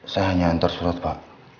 saya hanya antar surat pak